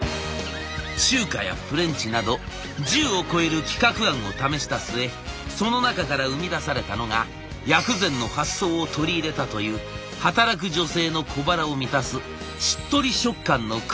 中華やフレンチなど１０を超える企画案を試した末その中から生み出されたのが薬膳の発想を取り入れたという働く女性の小腹を満たすしっとり食感のクッキー。